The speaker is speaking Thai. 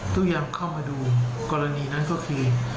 ยามเข้ามาดูกรณีนั้นก็คือ